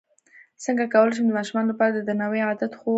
څنګه کولی شم د ماشومانو لپاره د درناوي عادت ښوول